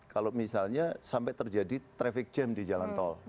kalau misalnya sampai terjadi traffic jam di jalan tol